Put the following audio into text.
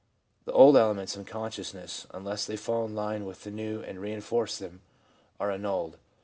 The old elements in consciousness, unless they fall in line with the new and reinforce them, are annulled.